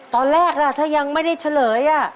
ตอนแรกล่ะถ้ายังไม่ได้เฉลย